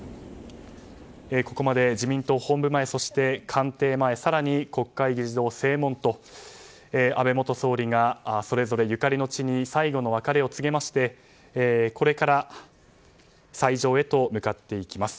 ここまで自民党本部前、そして官邸前更に国会議事堂正門と安倍元総理がそれぞれゆかりの地に最後の別れを告げましてこれから斎場へと向かっていきます。